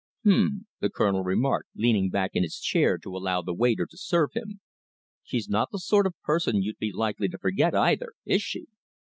"H'm!" the Colonel remarked, leaning back in his chair to allow the waiter to serve him. "She's not the sort of person you'd be likely to forget either, is she?"